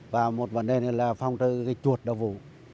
và một vấn đề nữa là phong trừ cái chuột đau vụ